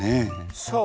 そう。